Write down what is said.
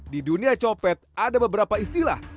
di dunia copet ada beberapa istilah